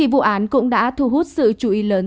vụ án cũng đã thu hút sự chú ý lớn